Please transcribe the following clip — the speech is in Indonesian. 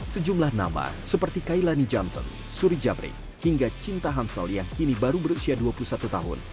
sejumlah nama seperti kailani johnson suri jabring hingga cinta hamsel yang kini baru berusia dua puluh satu tahun